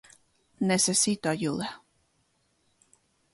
Necesito ayuda.